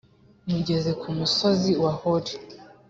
mugeze ku musozi wa hori.